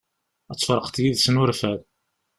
Ad tferqeḍ yid-sen urfan.